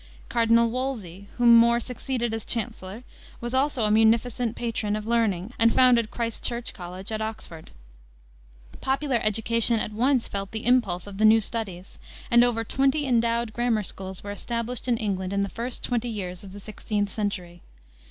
Cardinal Wolsey, whom More succeeded as chancellor, was also a munificent patron of learning and founded Christ Church College, at Oxford. Popular education at once felt the impulse of the new studies, and over twenty endowed grammar schools were established in England in the first twenty years of the 16th century.